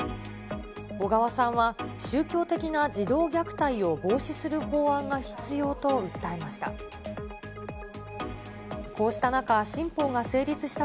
小川さんは宗教的な児童虐待を防止する法案が必要と訴えました。